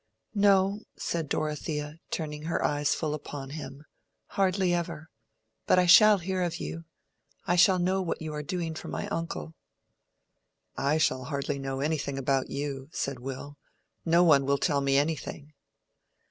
"No," said Dorothea, turning her eyes full upon him, "hardly ever. But I shall hear of you. I shall know what you are doing for my uncle." "I shall know hardly anything about you," said Will. "No one will tell me anything."